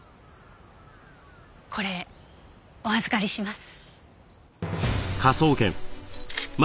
これお預かりします。